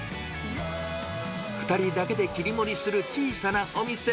２人だけで切り盛りする小さなお店。